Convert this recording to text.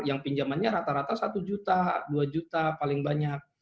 yang pinjamannya rata rata satu juta dua juta paling banyak